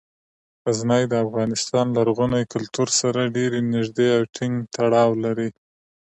غزني د افغان لرغوني کلتور سره ډیر نږدې او ټینګ تړاو لري.